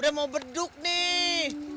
udah mau berduk nih